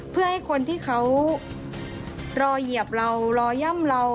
เพื่อให้คนที่เขารอเหยียบเรารอย่ำเรา